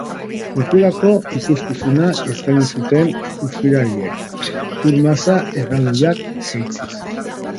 Sekulako ikuskizuna eskeini zuten surflariek, ur masa erraldoiak jeitsiz.